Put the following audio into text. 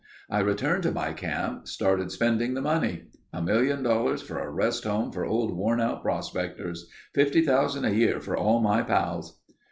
"I returned to my camp, started spending the money. A million dollars for a rest home for old worn out prospectors. Fifty thousand a year for all my pals...."